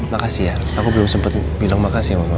makasih ya aku belum sempet bilang makasih sama mama